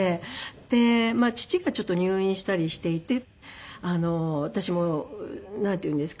で父がちょっと入院したりしていて私もなんていうんですか。